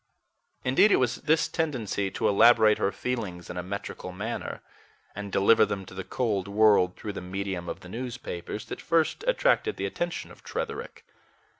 Indeed, it was this tendency to elaborate her feelings in a metrical manner, and deliver them to the cold world through the medium of the newspapers, that first attracted the attention of Tretherick.